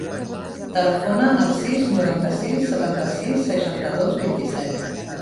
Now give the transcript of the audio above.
Telefona al sis, noranta-sis, setanta-sis, seixanta-dos, vint-i-set.